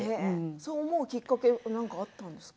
そう思うきっかけは何かあったんですか？